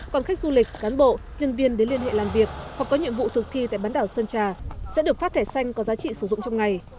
còn khách du lịch cán bộ nhân viên đến liên hệ làm việc hoặc có nhiệm vụ thực thi tại bán đảo sơn trà sẽ được phát thẻ xanh có giá trị sử dụng trong ngày